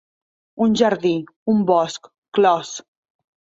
Un jardí, un bosc, clos.